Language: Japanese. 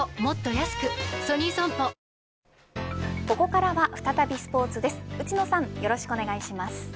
ここからは再びスポーツです。